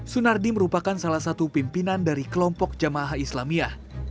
sunardi merupakan salah satu pimpinan dari kelompok jamaah islamiyah